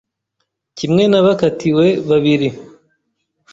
Kimwe nabakatiwe babiri